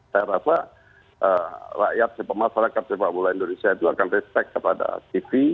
saya rasa rakyat sepemasyarakat sepapuluh indonesia itu akan respect kepada tv